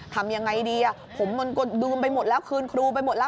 ทำอย่างไรดีผมดูมไปหมดแล้วคืนครูไปหมดแล้ว